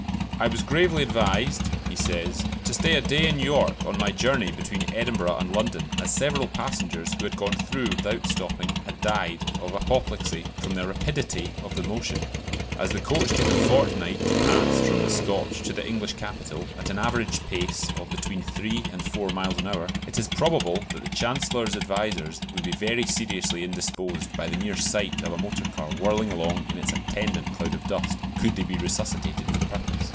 "I was gravely advised," he says, "to stay a day in York on my journey between Edinburgh and London, as several passengers who had gone through without stopping had died of apoplexy from the rapidity of the motion." As the coach took a fortnight to pass from the Scotch to the English capital, at an average pace of between three and four miles an hour, it is probable that the Chancellor's advisers would be very seriously indisposed by the mere sight of a motor car whirling along in its attendant cloud of dust, could they be resuscitated for the purpose.